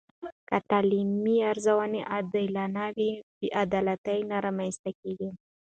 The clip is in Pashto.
که تعلیمي ارزونه عادلانه وي، بې عدالتي نه رامنځته کېږي.